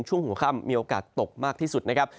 ช่วงหัวค่ำมีโอกาสตกมากที่สุดนะครับ